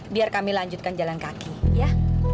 biar kami lanjutkan jalan kaki ya